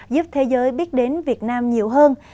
giúp thế giới biết đến việt nam nhiều hơn